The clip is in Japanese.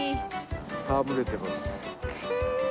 戯れてます。